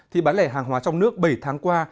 thì bán lẻ hàng hóa trong nước bảy tháng qua